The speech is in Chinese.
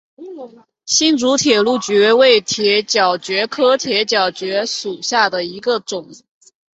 新竹铁角蕨为铁角蕨科铁角蕨属下的一个种。